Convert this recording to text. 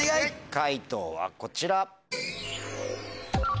解答はこちら。